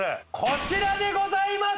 こちらでございます！